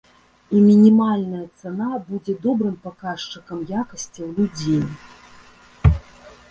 І мінімальная цана будзе добрым паказчыкам якасцяў людзей.